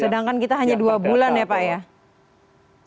sedangkan kita hanya dua bulan ya pak ya